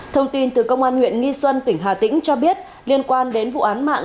thông tin từ công an huyện nghi xuân tỉnh hà tĩnh cho biết liên quan đến vụ án mạng